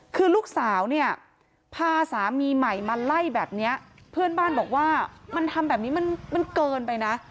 คือลูกสาวเนี่ยพาสามีใหม่มาไล่แบบนี้เพื่อนบ้านบอกว่ามันทำแบบนี้มันเกินไปนะ